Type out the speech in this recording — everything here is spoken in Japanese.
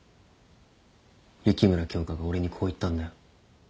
雪村京花が俺にこう言ったんだよ。